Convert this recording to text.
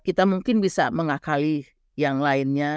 kita mungkin bisa mengakali yang lainnya